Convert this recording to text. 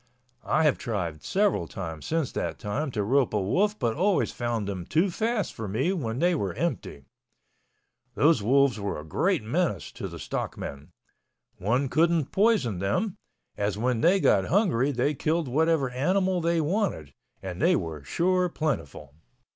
I have tried several times since that time to rope a wolf but always found them too fast for me when they were empty. Those wolves were a great menace to the stockmen. One couldn't poison them, as when they got hungry they killed whatever animal they wanted, and they were sure plentiful.